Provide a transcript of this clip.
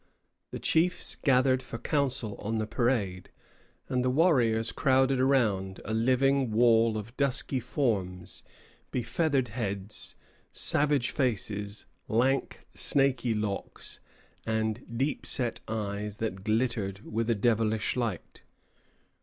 The chiefs gathered for council on the parade, and the warriors crowded around, a living wall of dusky forms, befeathered heads, savage faces, lank snaky locks, and deep set eyes that glittered with a devilish light.